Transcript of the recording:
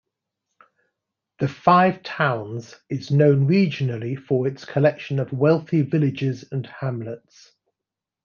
The Five Towns is known regionally for its collection of wealthy villages and hamlets.